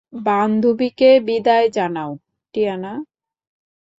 বান্ধবীকে বিদায় জানাও, টিয়ানা।